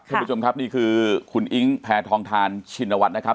คุณผู้ชมครับนี่คือคุณอิ๊งแพทองทานชินวัฒน์นะครับ